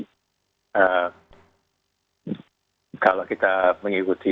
jadi kalau kita mengikuti